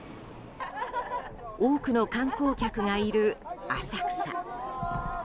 多くの観光客がいる浅草。